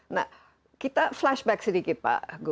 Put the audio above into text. nah kita flashback sedikit pak